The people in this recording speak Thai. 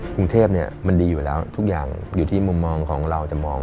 กรุงเทพมันดีอยู่แล้วทุกอย่างอยู่ที่มุมมองของเราจะมอง